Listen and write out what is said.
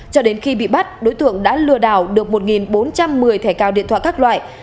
cho đến khi bị bắt đối tượng đã lừa đảo được một bốn trăm một mươi thẻ cao điện thoại các loại